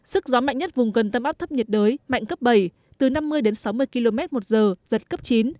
sức gió mạnh nhất vùng gần tâm áp thấp nhiệt đới mạnh cấp bảy từ bốn mươi sáu mươi km một giờ dẫn cấp chín